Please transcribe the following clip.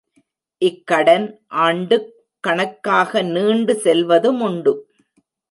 இக்கடன் ஆண்டுக் கணக்காக நீண்டு செல்வதுமுண்டு.